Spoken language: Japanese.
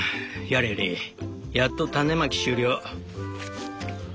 やれやれやっと種まき終了」。